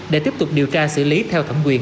để tiếp tục điều tra xử lý theo thẩm quyền